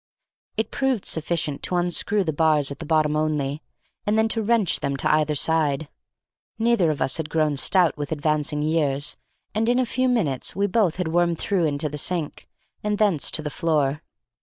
It proved sufficient to unscrew the bars at the bottom only, and then to wrench them to either side. Neither of us had grown stout with advancing years, and in a few minutes we both had wormed through into the sink, and thence to the floor.